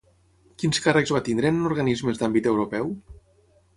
Quins càrrecs va tenir en organismes d'àmbit europeu?